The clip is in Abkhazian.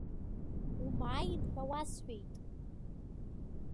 Умааин ҳәа уасҳәеит!